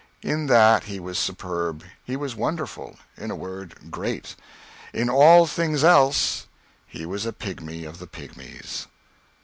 In that he was superb, he was wonderful in a word, great; in all things else he was a pigmy of the pigmies.